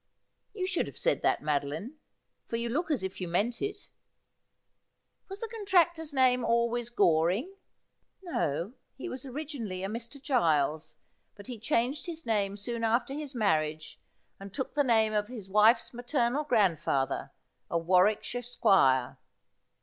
You should have said that, Madoline ; for you look as if you meant it. Was the contractor's name always Goring ?'' No ; he was originally a Mr. Giles, but he changed his name soon after his marriage, and took the name of his wife's maternal grandfather, a Warwickshire squire.'